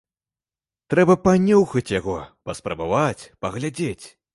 Трэба панюхаць яго, паспрабаваць, паглядзець.